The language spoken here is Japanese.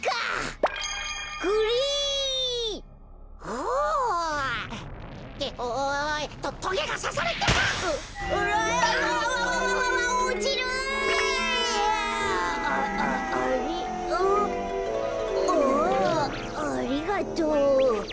ありがとう。